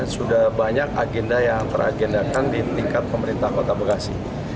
sudah banyak agenda yang teragendakan di tingkat pemerintah kota bekasi